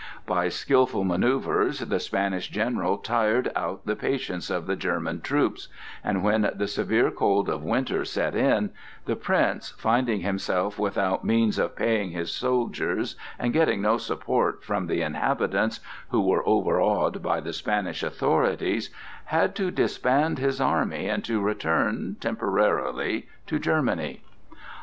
By skilful manœuvres the Spanish general tired out the patience of the German troops, and when the severe cold of winter set in, the Prince, finding himself without means of paying his soldiers and getting no support from the inhabitants (who were overawed by the Spanish authorities), had to disband his army and to return, temporarily, to Germany.